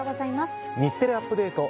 『日テレアップＤａｔｅ！』